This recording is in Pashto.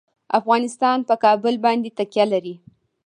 افغانستان په کابل باندې تکیه لري.